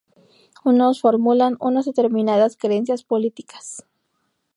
Unos formulan unas determinadas creencias políticas.